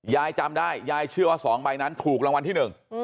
ยายจำได้ยายเชื่อว่า๒ใบนั้นถูกรางวัลที่๑